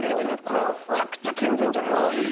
これめっちゃくちゃ健全じゃないですか。